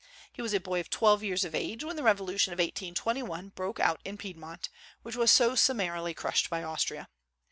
He was a boy of twelve years of age when the revolution of 1821 broke out in Piedmont, which was so summarily crushed by Austria.